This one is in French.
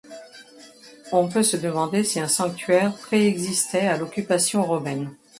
On peut se demander si un sanctuaire prééxistait à l'occupation Romaine.